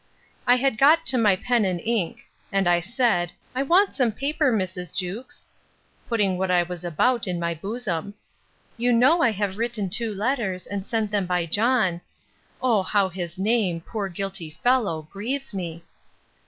I had got to my pen and ink; and I said, I want some paper, Mrs. Jewkes, (putting what I was about in my bosom:) You know I have written two letters, and sent them by John. (O how his name, poor guilty fellow, grieves me!)